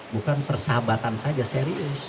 bukan persahabatan saja serius